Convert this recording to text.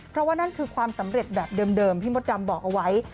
เพราะว่านั่นคือความสำเร็จแบบเดิมพี่มดดำบอกเอาไว้